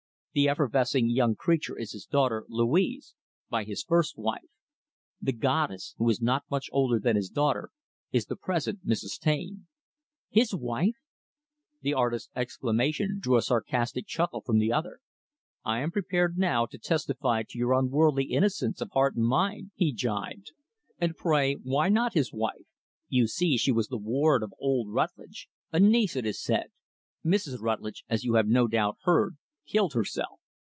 The effervescing young creature is his daughter, Louise by his first wife. The 'Goddess' who is not much older than his daughter is the present Mrs. Taine." "His wife!" The artist's exclamation drew a sarcastic chuckle from the other. "I am prepared, now, to testify to your unworldly innocence of heart and mind," he gibed. "And, pray, why not his wife? You see, she was the ward of old Rutlidge a niece, it is said. Mrs. Rutlidge as you have no doubt heard killed herself.